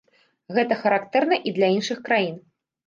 Гэта характэрна і для іншых краін.